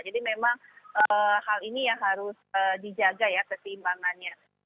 jadi memang hal ini yang harus dijaga ya keseimbangannya